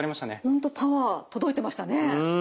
本当パワー届いてましたね。